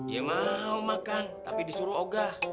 ya mau makan tapi disuruh ogah